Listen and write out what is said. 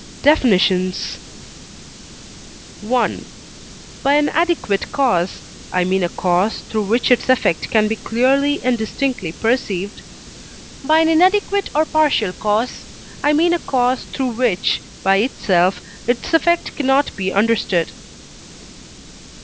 DEFINITIONS I. By an adequate cause, I mean a cause through which its effect can be clearly and distinctly perceived. By an inadequate or partial cause, I mean a cause through which, by itself, its effect cannot be understood.